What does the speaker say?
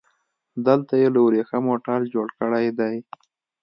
دلته يې له وريښمو ټال جوړ کړی دی